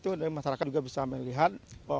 tadi itu masyarakat juga bisa melihat